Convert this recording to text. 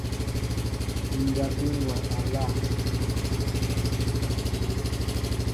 Njapin wɛ aláaŋ.